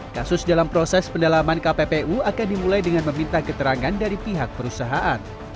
kasus dalam proses pendalaman kppu akan dimulai dengan meminta keterangan dari pihak perusahaan